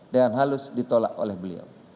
dengan halus ditolak oleh beliau